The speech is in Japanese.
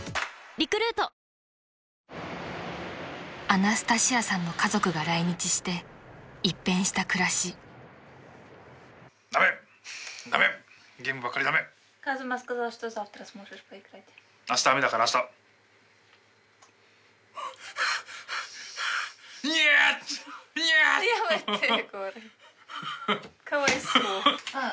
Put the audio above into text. ［アナスタシアさんの家族が来日して一変した暮らし］かわいそう。